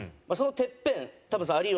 そのてっぺん